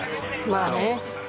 まあね。